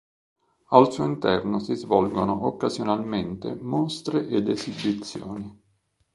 Al suo interno si svolgono occasionalmente mostre ed esibizioni.